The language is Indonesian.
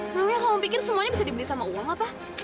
sebelumnya kamu pikir semuanya bisa dibeli sama uang apa